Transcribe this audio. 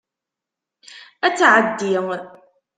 Ad tεeddi.